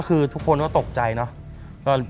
คือทุกคนก็ตกใจเนอะ